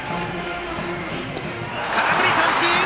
空振り三振！